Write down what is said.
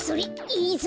いいぞ。